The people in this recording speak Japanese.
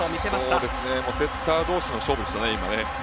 今はセッター同士の勝負でしたね。